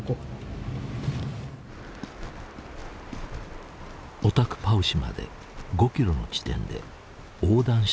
オタクパウシまで５キロの地点で横断した形跡が見つかった。